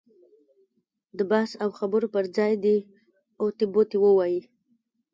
د بحث او خبرو پر ځای دې اوتې بوتې ووایي.